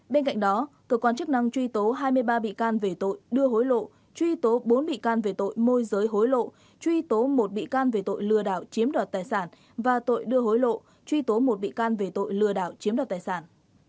bên cạnh đó cơ quan chức năng truy tố hai mươi ba bị can về tội đưa hối lộ truy tố bốn bị can về tội môi giới hối lộ truy tố một bị can về tội lừa đảo chiếm đoạt tài sản và tội đưa hối lộ truy tố một bị can về tội lừa đảo chiếm đoạt tài sản